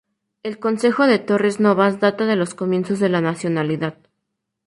El concejo de Torres Novas data de los comienzos de la nacionalidad.